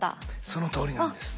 そのとおりなんです。